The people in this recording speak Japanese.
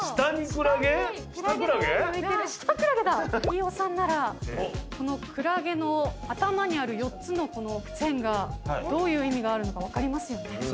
飯尾さんならこのクラゲの頭にある４つの線がどういう意味があるのか分かりますよね？